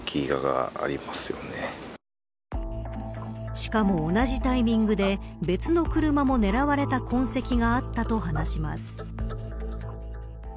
しかも、同じタイミングで別の車も狙われた痕跡があったと話します。